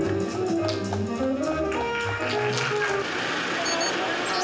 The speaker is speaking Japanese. お願いします。